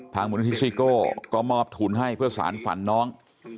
มูลนิธิซิโก้ก็มอบทุนให้เพื่อสารฝันน้อง